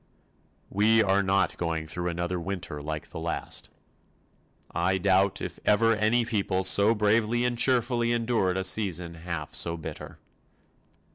We are not going through another winter like the last. I doubt if ever any people so bravely and cheerfully endured a season half so bitter.